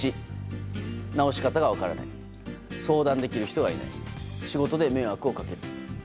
治し方が分からない相談できる人がいない仕事で迷惑をかける。